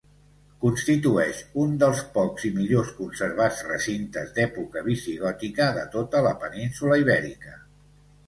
Constitueix un dels pocs i millors conservats recintes d'època visigòtica de tota la península Ibèrica.